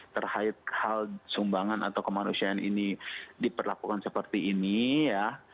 terkait hal sumbangan atau kemanusiaan ini diperlakukan seperti ini ya